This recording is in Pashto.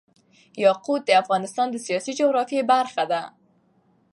یاقوت د افغانستان د سیاسي جغرافیه برخه ده.